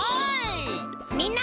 みんな。